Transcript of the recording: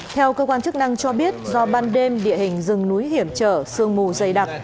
theo cơ quan chức năng cho biết do ban đêm địa hình rừng núi hiểm trở sương mù dày đặc